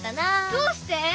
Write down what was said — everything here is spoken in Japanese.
どうして？